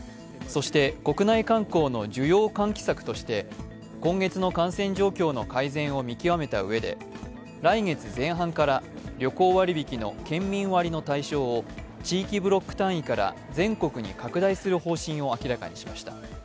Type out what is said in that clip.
そして国内観光の需要喚起策として、今月の感染状況の改善を見極めたうえで、来月前半から、旅行割引の県民割の対象を地域ブロック単位から全国に拡大する方針を明らかにしました。